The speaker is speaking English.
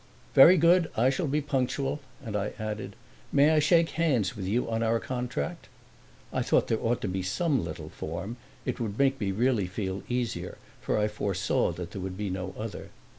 "Very good, I shall be punctual;" and I added, "May I shake hands with you, on our contract?" I thought there ought to be some little form, it would make me really feel easier, for I foresaw that there would be no other.